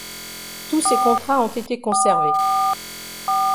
Tous ces contrats ont été conservés.